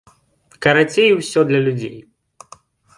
Карацей, усё для людзей.